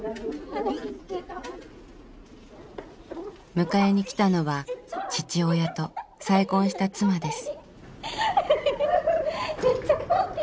迎えに来たのは父親と再婚した妻です。